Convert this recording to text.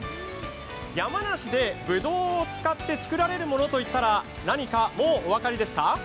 山梨でぶどうを使って作られるものといえば何か、もうお分かりですか？